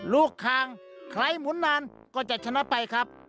คางใครหมุนนานก็จะชนะไปครับ